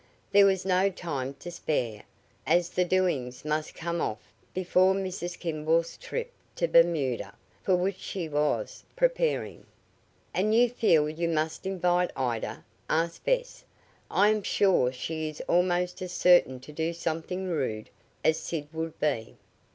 There was no time to spare, as the "doings" must come off before Mrs. Kimball's trip to Bermuda, for which she was preparing. "And you feel you must invite Ida?" asked Bess. "I am sure she is almost as certain to do something rude as Sid would be."